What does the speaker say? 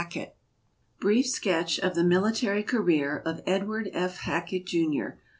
] BRIEF SKETCH OF THE MILITARY CAREER OF EDWARD F. HACKETT, JR.